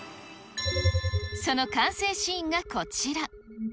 その完成シーンがこちら。